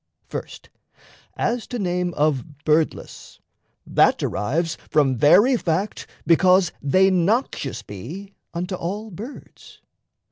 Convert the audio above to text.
First, as to name of "birdless," that derives From very fact, because they noxious be Unto all birds.